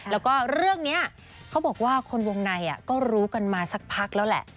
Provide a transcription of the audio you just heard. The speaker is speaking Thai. แล้วก็เรื่องนี้เขาบอกว่าคนวงในก็รู้กันมาสักพักแล้วแหละ